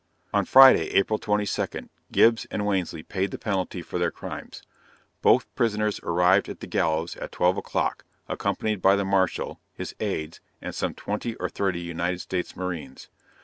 On Friday, April twenty second, Gibbs and Wansley paid the penalty of their crimes. Both prisoners arrived at the gallows about twelve o'clock, accompanied by the marshal, his aids, and some twenty or thirty United States' marines.